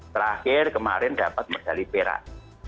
terakhir kemarin dapat medali perak